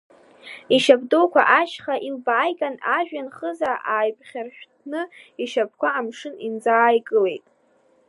Ишьап дуқәа ашьха илбааиган ажәҩан хыза ааԥхьаршәҭны, ишьапқәа амшын инӡааикылеит.